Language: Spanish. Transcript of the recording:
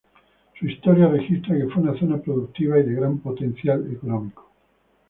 Su historia registra que fue una zona productiva y de gran potencial económico.